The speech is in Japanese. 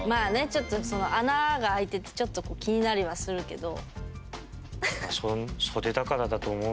ちょっとその穴があいててちょっと気になりはするけど。